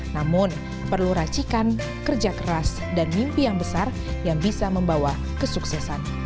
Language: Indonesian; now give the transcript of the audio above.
namun perlu racikan kerja keras dan mimpi yang besar yang bisa membawa kesuksesan